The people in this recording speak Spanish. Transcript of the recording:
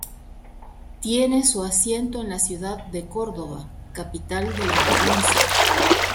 Tiene su asiento en la Ciudad de Córdoba, capital de la provincia.